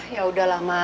ya udahlah mas